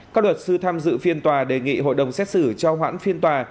các luật sư tham dự phiên tòa đề nghị hội đồng xét xử cho hoãn phiên tòa